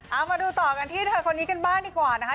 เอามาดูต่อกันที่เธอคนนี้กันบ้างดีกว่านะคะ